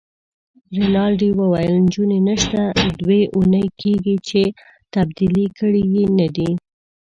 رینالډي وویل: نجونې نشته، دوې اونۍ کیږي چي تبدیلي کړي يې نه دي.